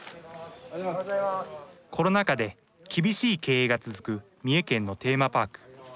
コロナ禍で厳しい経営が続く三重県のテーマパーク。